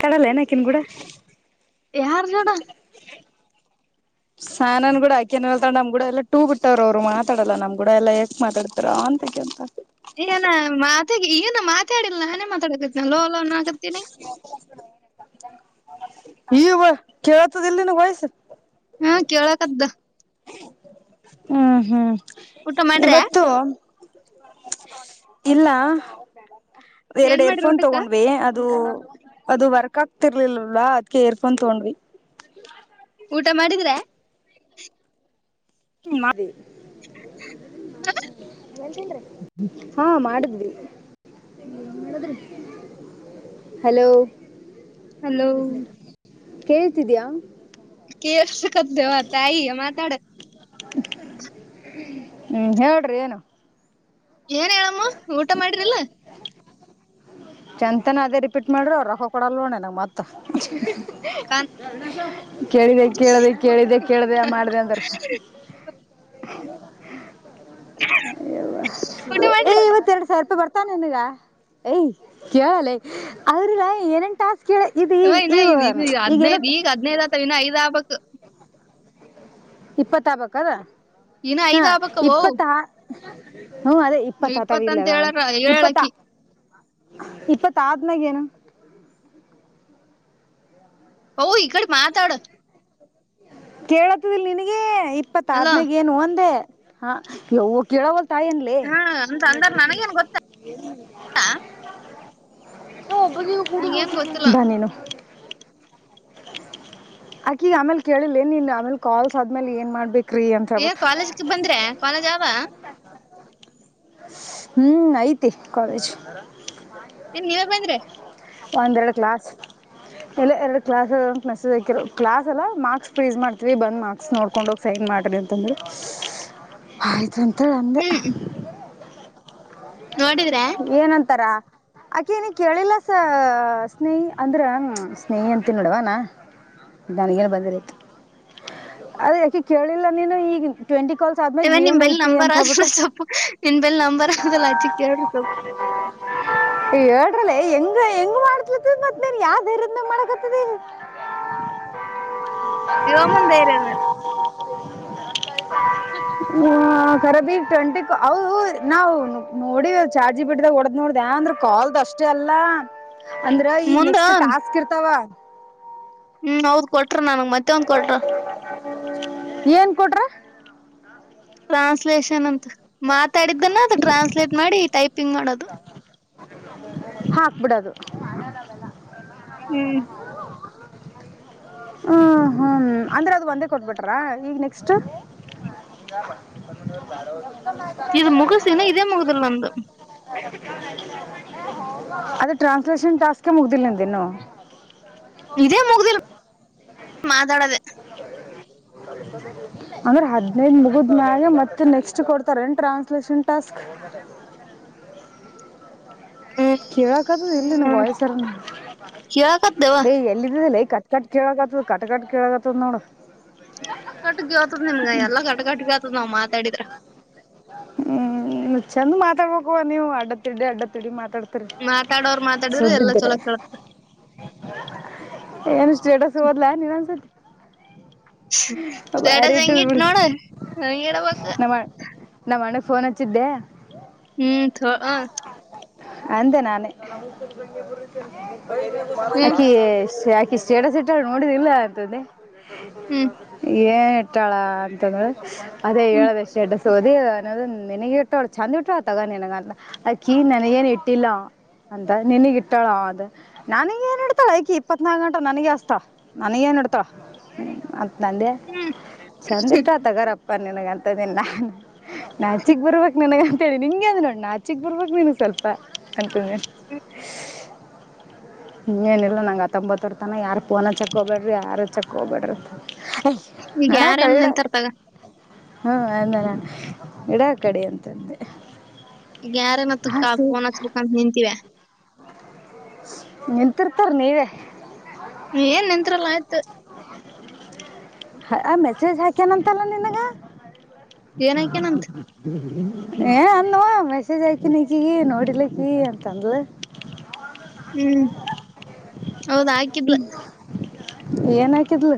ಕಡಲ್ಲ ಏನ ಆಕಿನ್ ಕೂಡ. ಯ ಹಾರ ಜಡ ಸಾನನ್ ಕೂಡ ಆಕೆನಲ್ತ ನಮ್ಗೂಡ ಎಲ್ಲ ಟೂ ಬಿಟ್ಟವ್ರು ಅವ್ರು ಮಾತಾಡಲ್ಲ ನಮ್ ಕೂಡ ಎಲ್ಲಾ ಯಕ್ ಮಾತಾಡ್ತಾರ ಅಂತ ಕೇಳ್ತಾರ್. ಈನ ಮಾತೆಗೆ ಏನು ಮಾತೆ ಅಡಿಲ್ಲ ನಾನೇ ಮಾತಾಡಕತ್ತಿನಲ್ಲ ಹಲೋ ಹಲೋ ಅನ್ನಾ ತನ. ಈಗ ಕೇಳತದಲ್ಲಿನಗ್ ವಯಸ್ಸ. ಹಾ ಕೆಳ ಕ್ದ. ಹ್ಮ ಹ್ಮ್. ಇವತ್ತು. ಇಲ್ಲ. ಎರಡ್ ಏನ್ ಮಾಡ್ರಿ ಏರ್ಫೋನ್ ಊಟಕ್ಕ ತಗೊಂಡ್ವಿ. ಅದು ಅದು ವರ್ಕ್ ಆಗ್ತಿರ್ಲಿಲ್ಲಲ್ವಾ ಅದ್ಕ ಏರ್ಫೋನ್ ತೊಂಡ್ವಿ. ಊಟ ಮಾಡಿದ್ರಾ. ಮಾದಿ ಹಾ ಮಾಡುದ್ವ್ ಹಲೋ ಹಲೋ ಕೇಳ್ತಿದ್ಯಾ ಕೇಳ್ಸಕತ್ತೇವ ತಾಯಿ ಮಾತಾಡ ಹ್ಮ್ ಹೇಳ್ರಿ ಏನು ಏನ್ ಹೇಳಮ್ಮ ಊಟ ಮಾಡಿರಲ್ಲ. ಚಂತನ ಅದೇ ರಿಪೀಟ್ ಮಾಡ್ರಿ ಅವ್ರ ರೊಕ್ಕ ಕೊಡಲ್ನೋಡ್ ನಿನಿಗ್ ಮತ್ತ. ಕಾನ್ ಕೇಳಿದೆ ಕೇಳ್ದೆ ಕೇಳಿದೆ ಕೇಳ್ದೆ ಮಾಡ್ದೆ ಅಂದ್ರ್. ಹ ಊಟ ಮಾಡ್ ಏಯ್ ಇವತ್ತರೆಡು ಸಾವಿರ ರೂಪಾಯಿ ಬರ್ತಾವ್ ನಿನಗ ಏಯ್ ಕೇಳ ಲೆ ಅದ್ರಲ್ಲ ಏನೇನ್ ಟಾಸ್ ಇವ ಇನ್ನ ಇ ಇ ಹದ್ನೈದ್ ಈಗ ಹದ್ನೈದ್ ಆತ ಇನ್ನ ಐದ್ ಆಬಕು. ಇಪ್ಪತ್ತ ಆಬೆಕದ. ಇನ್ನ ಐದ ಆಬಕ್ಕವೋ. [unintelligible] ಹ್ಮ ಅದೇ ಇಪ್ಪತ್ತ ಆತಾವ ಇಲ್ಲಲ್ಲ ಹೇಳಾರ ಇಪ್ಪತ್ತ. ಹೇಳಕಿ ಇಪ್ಪತ್ ಆದ್ಮ್ಯಾಗೇನು. ಹೊ ಇಕಡೆ ಮಾತಾಡು. ಕೇಳತಿದ್ದಿಲ್ ನಿನಗೆ. ಇಪ್ಪತ್ತು ಅಲೋ ಅದಮ್ಯಾಗ್ ಏನು ಅಂದೆ. ಹಾ ಲೋ ಕೇಳವಲ್ ಊಟ ಏನ್ಲೆ ಹಾ ಅಂತ ನೆಟ್ ಅಂದಾರ ವರ್ಕ್ ಇಲ್ಲ ನನಗೇನ್ ಗೊತ್ತ [unintelligible] ನಂಗೇನ್ ಗೊತ್ತಿಲ್ಲ ಬಾ ನೀನು. ಆಕಿಗ್ ಅಮೇಲ್ ಕೇಳಿಲ್ಲ ಏ ಇ ಆಮೇಲೆ ಕಾಸ್ ಆದ್ಮೇಲೆ ಏನ್ ಮಾಡ್ಬೇಕು. ಏ ಕಾಲೇಜಕ್ ಬಂದ್ರೆ ಕಾಲೇಜ್ ಆವ. ಹ್ಮ್ ಐತಿ ಕಾಲೇಜ್. ಏನ್ ನೀವೇ ಬಂದ್ರಿ. ಒಂದೆರಡು ಕ್ಲಾಸ್ ಇಲ್ಲ ಎರಡ್ ಕ್ಲಾಸ್ ಅದಾವ್ ಅಂತ್ ಮೆಸೇಜ್ ಹಾಕಿದ್ರು ಕ್ಲಾಸ್ ಅಲ್ಲ ಮಾ ಪ್ರೀಸ್ ಮಾಡ್ತೀವಿ ಬಂದ್ ಮಾರ್ಕ್ಸ್ ನೋಡ್ಕೊಂಡ ಹೋಗಿ ಸೈನ್ ಮಾಡ್ರಿ ಅಂತಂದ್ರು ಆಯ್ತ ಆನ್ ತಂದೆ ಹ್ಮ್ ನೋಡಿದ್ರ ಏನಂತಾರ ಆಕೆನ ಕೇಳಿಲ್ಲಸ ಸ್ನೇಹಿ ಅಂದ್ರ ಸ್ನೇಹಿ ಅಂತ ನೋಡವನಾ ನನಗೇನ್ ಬಂದಿರ. ಅದ ಯಾಕೆ ಕೇಳಿಲ್ಲ ನೀನು ಈಗ ಟ್ವೆಂಟಿ. ಕಲ್ಸ ಆದ್ಮ್ಯಾಗ ಇವ ನಿಮ್ ಏನ್ ಬೆಲ್ ಐತಿ ನಂಬರ್ ಅಂತ ಹೇಳ್ಬಿಟ್ಟ. ಆದಲ್ಲ ಸೊಪ್ಪು ನಿನ್ ಬೆಲ್ ನಂಬರ್ ಆದಲ್ಲ ಅಚ್ಚಿ ಕೇಳ್ರಿ ಸೊಪ್ಪು ಹೇಳ್ರಲ್ಲ ಹೆಂಗ ಹೆಂಗ್ ಮಾಡ್ಲತದ ಮದೇನ್ ಯಾವ್ದರಿ ಮಾಡಕತದ. ದಿವ ಮುಂದೇರೇಲೆ. ಹ ಖರಬಿ ಟ್ವೆಂಟಿ ಅ ನಾವು ನೋಡಿ ಚಾರ್ಜಿ ಬಿಟ್ಟ್ದಾಗ ಹೊಡ್ದ್ ನೋಡ್ದ ಅಂದ್ರ ಕಾಲ್ದ ಅಷ್ಟೇ ಅಲ್ಲ ಅಂದ್ರ ಈಗ ಮುಂದ ನೆಕ್ಸ್ಟ್ ಟಾಸ್ಕ್ ಇರ್ತಾವ. ಹ್ಮ್ ಹೌದ್ ಕೊಟ್ಟ. ನ ಮತ್ತೆ ಒಂದ್ ಕೊಡ್ರ ಏನ್ ಕೊಟ್ರ ಟ್ರಾನ್ಸ್ಲೇಷನ್ ಅಂತ ಮಾತಾಡಿದ್ದನ್ನ ಅ ಟ್ರಾನ್ಸ್ಲೇಟ್ ಮಾಡಿ ಟೈಪಿಂಗ್ ಮಾಡೋದು. ಹಾ ಹಾಕ್ಬಿಡದು. ಹ್ಮ್ ಹ್ಮ ಹ್ಮ ಅಂದ್ರೆ ಅದು ಒಂದೇ ಕೊಟ್ಬಿಟ್ರಾ ಈಗ ನೆಕ್ಸ್ಟ್. ಇದು ಮುಗುಸಿನ ಇದೇ ಮುಗದಲ್ ಅಂದ. ಅದ ಟ್ರಾನ್ಸ್ಲೇಷನ್ ಟಾಸ್ ಮುಗ್ದಿಲ್ಲ ನಂದೇನು. ಇದೇ ಮುಗ್ದಿಲ್ಲ. ಮಾತಾಡದೆ. ಅಂದ್ರ ಹದ್ಿನೈದ ಮುಗುದ ಮ್ಯಾಗೆ ಮತ್ತೆ ನೆಕ್ಸ್ಟ್ ಕೊಡ್ತಾರ ಏನ್ ಟ್ರಾನ್ಸ್ಲಷನ್ ಟಾಸ್ಕ್. ಹ್ಮ್ ಕೇಳಕ್ದದು ಇಲ್ಲಿ ನ ಹ್ಮ್ ವಯಸ್ಸರನು ಕೇಳಕತ್ತೇವ ಏಯ ಎಲ್ಲಿದ್ದಲ್ಲ. ಕಟ್ ಕಟ್ ಕೇಳಕತ್ ಕಟ್ಟ ಕಟ್ಟ ಕೇಳ. ಚೊನ್ನೋಣ. ಕಟ್ಕಟ್ಗ ಆತದ ನಿಮ್ಗ ಎಲ್ಲಾ ಕಟಕಟ್ಗ ಆತದ ನಾವ್ ಮಾತಾಡಿದ್ರ. ತಬೇಕುವ ನೀವು ಅಡ್ಡ ತಿಡಿ ಅಡ್ದ ತಿಿಡಿ ಮಾತಾಡ್. ಮಾತಾಡೋರ್ ಮಾತಾಡಿದ್ರ ಎಲ್ಲಾ ಸುದ್ದಿದ್ದ್ರ ಚೊಲೋ ಕೇಳತದ ಏನು ಸ್ಟೇಟಸ್ ಹಓದ್ಲಾ ನೀನ್ ಅನ್ಸತಿ. ಸಡ ಬಾರಿ ಇಟ್ಟದ್ ಹೆಂಗಿಟ್ ಬಿಡು ನೋಡು ಹಡಬೇಕ. ನಮ್ಮ್ ಅಣ್ಣಗ್ ಫೋನ್ ಹಚ್ಚಿದ್ದೆ. ಹ್ಮ್ ಹ. ಅಂತೆ ನಾನು. ಹ್ಮ್ ಹಕ. ಯಕೆ ಸ್ಟೇಟಸ್ ಇಟ್ಟ ನೋಡಿದುದಿಲ್ಲ ಅಂತ್ದೇ. ಹ್ಮ್ [inaudible] ಮಟಳಾಂತಂದ. ಅದೇ ಹ್ಮ್ ಹೇಳದೆ ಶ. ೋದೆ ಅನ್ನೋದು ನಿನಗ ಇಟ್ಟಳ ಚೆಂದ ಇಟ್ಟ ತಗ ನಿನಗಂತ ಆಕಿ ನನಗಏನ್ ಇಟ್ಟಿಲ್ಲ ಅಂತ ನಿನಗ ಇಟ್ಟಾಳ ಅದು ನನಗ ಏನ್ ಇಡ್ತಾಳ ಆಕಿ ಇಪ್ಪತ್ನಾಲ್ಕು ಗಂಟ ನನಗ ಅಸ್ತ ನನಗ ಏನ್ ಇತ. ತ್ತ. ನಂದ ಹ್ಮ್ ಚಂದಿಟ್ಟಾತಗರಪ್ಪ. ನಿನಗಂತದಿಲ್ಲ. ನಾಚಿಕ್ ಬರ್ಬೇಕಕ್ ನನಗ. ೇರಿ ನಿಮ್ಗೆ ಅ್ ನೋಡಣ ಆಚಕ್ ಬರ್ಬೇಕಕ್ ನೀನು ಸ್ವಲ್ಪ. ಅಂತುನೆ. ಹ ಏನಿಲ್ಲ ನಂಗ್ ಹತ್ತೊಂಬತ್ತವರ್ ತನ ಯರ್ು ಪೋನ ಚಕ್ಕೊಬೇಡ್ರಿ ಯಾರ. ಚಕ್ಕ ಹೋಗಬೇಡ್ರ. ಈಗ ಯಾರೇನು ನಿಂತಾರದಾಗ. ಹಾ ಅನ್ನ ನ ಗಿಡ ಕಡೆ ಅಂತಂದೆ. ಯ್ಯಾರೇನತ್ತಕ್ಕ ಫೋನ್ ಹಚ್ಬೇಕಂತ ನಿಂತೀಿವ. ನಿಂತಿರ್ತರಿ ನೀವ. ಏನ್ ನಿಂತ್ರಲ್ಲ ಆಯ್ತು. ಹ ಮೆಸೆಜ್ ಹಾಕಲ್ಲಾಮ ತಲ್ಲ ನನ. ಏನಕೇನಂತ [inaudible] ಏ ಅಂದವಾ ಮೆಸೇಜ್ ಆಯ್ತನಜಗ ನೋಡಿಲಿಕ್ಕಿ ಅಂತ ಅಂದ್ಲ. ಹ್ಮ್ ಹೌದ್ ಹಾಕಿದ್ಲ. ಏನ್ ಆಕಿದ್ಲ.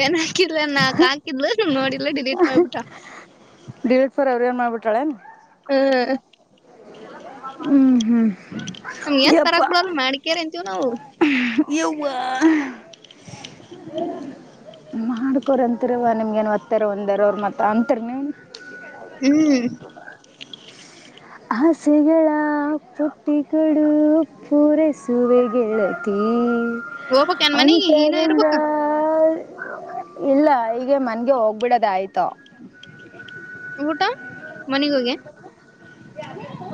ಏನ್ ಹಾಕಿದಲ ನಾಕ ಹಾಕಿದ್ಲ ನೋಡಿಲ್ಲ ಡಿಲೀಟ್ ಮಾಡ್ಬಿಟ. ಡಿವೇಟ್ ಫರ್ ಎವರುವನ್ ಮಾಡ್ಬಿಟ್ಟಾಳೆ. ಹ್ಮ. ಹ್ಮ್ ಹ್ಮ್. ನಮ್ ಏನ್ ಪರಗ್ ಬಿಡಲ್ ಮಾಡಕ್ಯಾರ ಅಂತೀವ್ ನಾವು. ಯವ ಮಾಡ್ಕೊ್ರಂತರವ ನಿಮ್ಗೇನು ಒತ್ತಾರ ಒಂದರ ಅವರು ಮತ್ತು ಅಂತರ ನೀವು. ಹ್ಮ್. ಹಸೆಗಳ ಪಟ್ಟಿ ಕಡು ಪೂರಸುವೆ ಗೆಳತಿ. ಹೋಗ್ಬಕ್ ಏನ್ ಮನಿಗಿ ಹೀನ ಅಂತರಂಗ. ಇರ್ಬೇಕ ಇಲ್ಲ ಈಗ ಮನ್ಗೆ ಹೋಗ್ಬಿಡದ ಆಯ್ತು. ಊಟ ಮನೆಗ ಹೋಗೆ.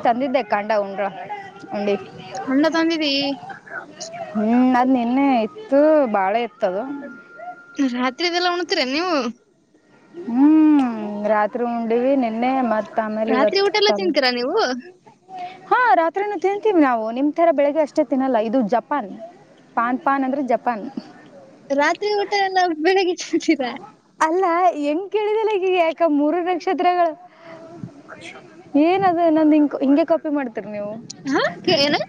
ತಂದಿದ್ದೆ ಕಾಂಡ ಉಂಡ್ರ ಉಂಡಿ. ಹಣ್ಣ ತಂದಿದಿ. ಹುಣ ಅದ್ ನಿನ್ನೆ ಇತ್ತು ಬಾಳೆ ಇತ್ತದು ರಾತ್ರಿದೆಲ್ಲ ಉಣತೀರ ನೀವು ಹ್ಮ್ ಹ್ಮ ರಾತ್ರಿ ಉಂಡಿವವಿ ನಿನ್ನೆ ಮತ್. ರಾತ್ರಿ ಊಟ ಎಲ್ಲ ತಿಂತೀರಾ ನೀವು. ಹಾ ರಾತ್ರಿನ ತಿಂತೀವಿ ನಾವು ನಿಮ್ ತರ ಬೆಳಿಗ್ಗೆ ಅಷ್ಟೇ ತಿನ್ನಲ್ಲ ಇದು ಜಪಾನ್ ಪಾನ್ ಪಾನ್ ಅಂದ್ರೆ ಜಪಾನ್. ರಾತ್ರಿ ಊಟ ನ ಬೆಳಿಗ್ಗೆ. ತಿಂತೀರಾ. ಅಲ್ಲ ಹೆಂಗ ಕೇಳಿದಲ್ಲಗಗ ಯಾಕ ಮೂರು ನಕ್ಷತ್ರಗಳು ಏನದು ನಂದ ಹಿಂಗ ಹಿಂಗೆ ಕಾಪಿ ಮಾಡ್ತ. ತೀರ ನೀವು. ಏನು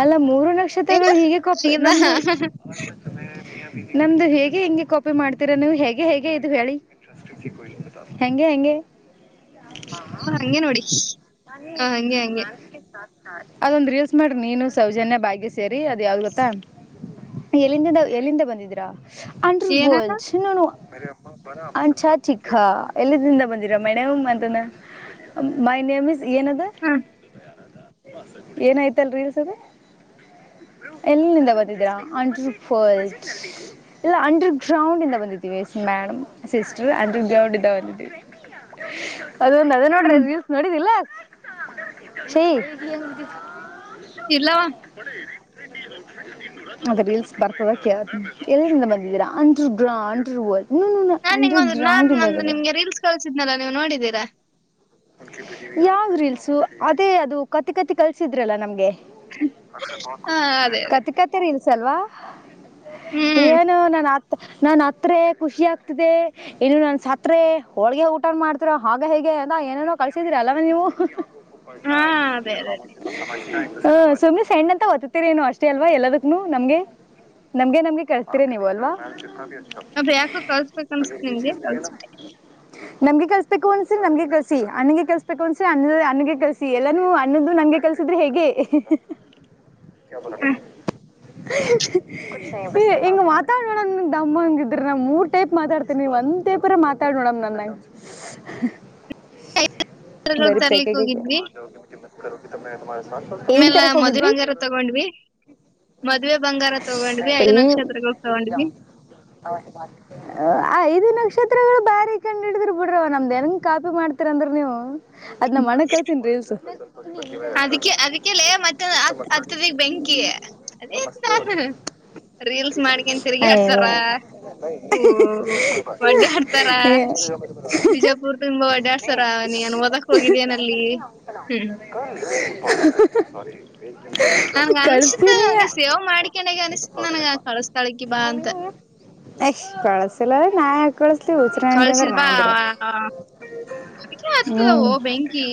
ಅಲ್ಲ ಮೂರು ಏನು ನಕ್ಷತ್ರಗಳು ಹೀಗೆ ಕೊಪ್ಪ ಆಗಿದ ನಮ್ದು ನಮ್ದು ಹೇಗೆ ಗೆ ಹೆಂಗೆ ಕಾಪಿ ಮಾಡ್ತೀರಾ ನೀವು ಹೇಗೆ ಹೇಗೆ ಇದು ಹೇಳಿ ಹೆಗೆ ಹೆಂಗೆ. ಹಾ ಹಂಗೆ ನೋಡಿ ಹ ಹಂಗೆ ಹಂಗೆ [unintelligible] ಅದೊಂದ್ ರೀಲ್ಸ್ ಮಾಡ್ರಿ ನೀನು ಸೌಜನ್ಯ ಬಾಗ್ಯ ಸೇರಿ ಅದ್ ಯಾವ್ದ್ ಗೊತ್ತಾ ಎಲ್ಲಿಂದಿಂದ ಎಲ್ಲಿಂದ ಬಂದಿದೀರಾ ಅಂಡಂಡರ್ ಏನ ವರ್ಲ್ಡ್ ಚ ಅಂಟಾಟಿಕಾ ಎಲ್ಲಿಂದ ಬಂದಿರ ಮೈಡಮ್ ಅಂತಾನಮೈ ನೇಮ ಇಸ್ ಏನದು ಹ್ಮ್ [unintelligible] ಎನೈತ್ರಿ ಅದು ಎಲ್ಲಿಂದ ಬತಿದ್ದೀರಾ ಅಂಟರಫಲೆಟ್ ಇಲ್ಲ ಅಂಡರ್ ಗ್ರೌಂಡ್ ಇಂದ ಬಂದಿದೀವಿ yes madam sister underground ಇಂದ ಬಂದಿದ್ವಿ ಅದೊಂದು ಅದೇ ನೋಡ್ರೆ ಹ್ಮ್ ರೀಲ್ಸ್ ನೋಡಿದಿಲ್ಲ ಚೀ ಇಲ್ಲವಾ ಹೊಡಿರಿ ಅದ ರೀಲ್ಸ್ ಬರ್ತದಕ್ಕೆ ಎರಿಂದ ಬಂದ ಅಂಡರ್ ಗ್ರೌಂಡ್ ಅಂಡರ್ಲ್ಡ್ ವರ್ಲ್ಡ್ ನಾನ್ ಅಂಡರ್ ನಿಂಗೊಂದು ನಾನ್ ಒಂದು ನಿಮ್ಗೆ ರೀಲ್ಸ್ ಕಳಸಿದ್ನಲ್ಲ ನೀವು ನೋಡಿದ್ದೀರಾ ಯಾವ್ ರೀಲ್ಸು ಅದೇ ಅದು ಕತಿ ಕತಿ ಕಲ್ಸಿದ್ರಲ್ಲ ನಮ್ಗೆ ಹಾ ಅದೇ ಅದೇ [unintelligible] ಸಲ್ವಾ ಹ್ಮ್ ಏನು ನಾನ ಆ ನನ್ ಹತ್ರ ಖುಷಿ ಆಗ್ತಿದೆ ಇನ್ನು ನನ್ ಸತ್ ಹೋಳ್ಗೆ ಊಟ ಮಾಡ್ತಿರೋ ಹಾಗ ಹೇಗೆ ಏನೇನೋ ಕಳ್ಸಿದ್ರ ಅಲ್ಲವ ನೀವು ಪ ಹಾ ಅದೇ ಸಮ ಅದೇ [unintelligible] ಹ ಸುಮ್ನೆ ಸಣ್ಣ ಅಂತ ಓದ್ತತಿರ ನು ಅಷ್ಟೇ ಅಲ್ವಾ ಎಲ್ಲದಕ್ಕನುೂ ನಮ್ಗೆ ನಮ್ಗೆ ನಮ್ಗೆ ಕಳ್ಸ್ತೀರ ನೀವು ಅಲ್ವಾ [unintelligible] ಅ ಬ ಯಾಕೋ ಕಳ್ಸ್ಬೇಕ ಅನ್ಿಸತೆ ನಿಂಗೆ ಕಲ್ಸ. ನಮ್ಗೆ ಕಸಸ್ಬೇಕು ಅನ್ಸಿ ನಮಗೆ ಕಲ್ಸ ಸ ಅನಗೆ ಕಲ್ಸಬೇಕು ಅನ್ಸೆ ಅನ್ನ ಅನಗೆ ಕಲ್ಸಿ ಎಲ್ಲಾನ ಅನ್ನ್ದ ನಂಗೆ ಕೆಲ್ಸಿದ್ರೆ ಹೇಗೆ. ಕ ನಲ್ಲ. ಹಿಂಗ ಮಾತಾಡ ನೋಡಮ ದಮ್ಮಂಗಿದ್ರ ನಮ್ ಮೂರ್ ಟೈಪ್ ಮಾತಾಡ್ತೇನಿ ಒಂದ್ ಟೇಪರ ಮಾತಾಡ್ ನೋಡಮ ನಮನಂಗ [unintelligible] ನಕ್ಷತ್ರಗಳು ಬರಿ ಪೆೇಕ ತರ್ಲಿಕ್ ಹೋಗಿದ್ವಿ ತ ಏನ್ ಆಮೇಲೆ ತರಕ್ ಮದುವೆ ಹೋಗಿದ್ರಿ ಬಂಗಾರ ತಗೊಂಡ್ವಿ ಮದ್ವೆ ಬಂಗಾರ ತಗೊಂಡ್ವಿ ಐದು ಇ ನಕ್ಷತ್ರಗಳು ತಗೊಂಡ್ವಿ ಚಿತ್ರಗಳು ಬಾರಿ ಕಂಡ ಹಿಡಿದ್ ಬಿಡ್ರವ ನಮ್ದಂಗ ಕಾಪಿ ಮಾಡ ಇರ ಅಂದ್ರ ನೀವು ಅದ್ ನ ಮನೆ ಕಳ್ತೀನ್ಿ ರೀಲ್ಸ. ಅದಕ್ಕೆ ಅದಕ್ಕೆಲ್ಲ ಮತ್ತ ಹತ್ತದಗ್ ಬೆಂಕಿ ಅದ ರೀಲ್ಸ್ ಮಾಡನ್ ತಿರುಗಿ ಆಡ್ತಾರ ಹ ವಡ್ಡ ಆಡ್ತಾರ ಬಿಜಾಪುರ್ ತುಂಬಾ ಒಡ್ಡ ನ. ಆಡ್ತಾರ. ಹ್ಮ್ [unintelligible] ನನ್ಗ ಅನ್ಸತ್ ಕಳ್ತನಯ ನೀ ಸೇವ್ ಮಾಡ್ಕೊಂಡಾಗ ಅನ್ಸತ್ ನನ್ಗ ಕಳಸ್ತಾಳಕಿ ಬಾ ಅಂತ ಎಷ್ಟ್ ಕಳಸಿಲ್ಲ ನಾಯಕ. ಕಳಿಸತಿ ಉಸ್ರಾಂಡಿವರ ಕಳ್ಸಿದ್ ಬಾ ನದಿರ. ಅದಕ್ಕೆ ಆಗ್ತದಾವೋ ಬೆಂಕಿ.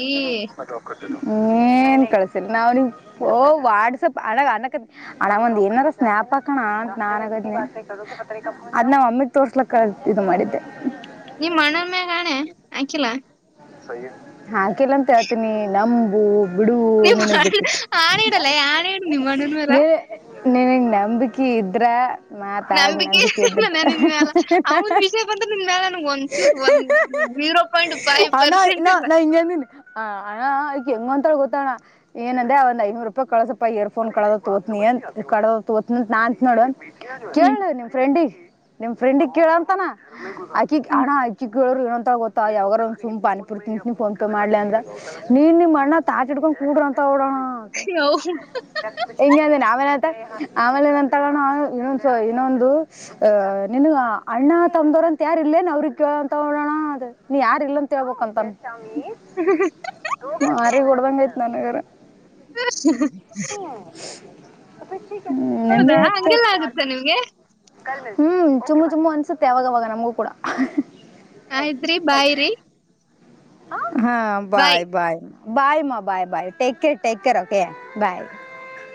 ನ್ ಕಳ್ಸಿಲ್ಲ ನಾವ್ ನೀ ಓ ವಾಟ್ಸಪ್ ಅಣಗ ಅನ್ನಕ ಅಣ ಒಂದ್ ಏನಾರ ಸ್ನ್ಯಾಪ್ ಹಾಕಣ ಅಂತ ನಾನ್ಗ ಅದ್ ನಾವ್ ಅಮ್ಮಿಗ್ ತೋರ್ಸ್ಲಕ್ಕ ಇ ಮಾಡಿದ್ದೆ. ನೀ ಮಣ್ಣನ್ ಮ್ಯಾಣೆ ಆಾಕಿಲ್ಲ. ಹಾ ಕೆಲ್ಲ ಹೇಳ್ತೀನಿ ನಂಬು. ಬಿಡು ನೀ ನಿನಗ್ ಬಿಟ್ಟಿತ್ತು ಆ ಇಡಲ್ಲ ಆಣ ಇ ನೀವ್ ಮಣ್ಣನ್ ಮಾರ. ನಿನಗೆ ನಂಬಿಕೆ ಇದ್ರೆ. ನಂಬಿಕೆಮ್ಮ ನೆನ ಮ್ಯಾಲ ಅವ ಒಂದ ವಿಷಯ ಬಂದ್ರೆ ನಿಮ್ ಮ್ಯಾಲ ನನ್ಗ್ ಒಂಚೂರು ಒಂದ ಜೀರೋ ಪಾಯಿಂಟ್ ಫೈವ್ ಹಣಾ ಪರ್ಸೆಂಟ್ ಇಲ್ಲ ನಾ ಇಂಗಂದನೆ ಹ ಹಣ ಅವ ಹೆಂಗ ಅಂತಳ ಗೊತ್ತೋಣ ಏನಂದ ಒಂದ್ ಐನೂರು ರೂಪಾಯ ಕಳಸಪ್ಪ ಇಯರ್ಫೋನ್ ಕೋದ ತೋತ್ನಿ ಕಡದ ತೋತನ ಅಂತ ನಾ ಅಂತ ನೋಡ. ಹ್ಮ್ ಕೇಳುದು ನಿಮ್ ಫ್ರೆಂಡಿ. ನಿಮ್ ಫ್ರೆಂಡಿಗೆ ಕೇಳಂತಾನ ಆಕಿ ಹ್ಮ್ ಹಣ್ಣ ಆಕಿ ಕೇಳೋರು ಏನಂತ ಗೊತ್ತಾ ಯಾವಾಗಾರ. ಸುಮಪ ಪಾನಪುರ್ ತಿನ್ನಿ ಫಂತ ಮಾಡ್ಲಿ ಅಂದ್ರ ನೀನ್ ನಿ್ ಅಣ್ಣ ತಾಟಿಡ್ಕೊಂಡ್ ಕೂಡ್ರ ಅಂತ ನೋಡೋಣ. ಹೌದು ಹಂಗಂದ್ರೆ ನ ಅವನತ. ಆಮೇಲೆ ಅಂತೋಣ ಇನ್ನೊಂದುಸ ಇನ್ನೊಂದು ಅಹ ನಿನ್ ಅಣ್ಣ ತಮವರಂತ ಯಾರ ಇಲ್ಲೇನ್ ಅವ್ರಿಗೆ ಅಂತ ನೋಡೋಣ ಅದ ನೀ ಯಾರ ಇಲ್ಲಂತ. ಹೇಳ್ಬಬೇಕ ಅಂತ. ಮಾರ ಕೊಡ್ಬಂಗಐ. ನನಗರ. ಹ ಅಪ್ಪ ಹ್ಮ ನೆ ಹ ಆಗುತ್ತಾ ನಿಮ್ಗೆ ಹ್ಮ್ ಚುಮ ಚುಮು ಅನ್ಸುತ್ತೆ ಯಾವಾಗ ಅವಾಗ ನಮ್ಗೂ ಕೂಡ ಆಯದ್ರಿ ಬಾಯ್ರರಿ. ಹಾ. ಹಾ ಬಾಯ್ ಬಾಯ್. ಬಾಯ್ ಬಾಯ್ ಬಾಯ್ರ್ ಓಕೆ ಬಾಯ್.